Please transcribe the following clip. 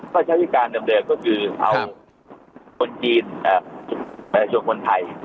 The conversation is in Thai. ก็ใช้วิการเดิมเดิมก็คือครับคนจีนเอ่อแบบส่วนคนไทย